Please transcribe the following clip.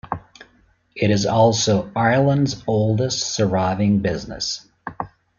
It is also Ireland's oldest surviving business.